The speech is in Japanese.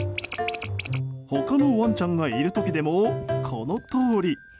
他のワンちゃんがいる時でもこのとおり。